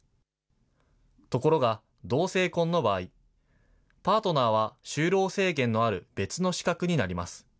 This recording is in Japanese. ところが、同性婚の場合、パートナーは就労制限のある別の資格になります。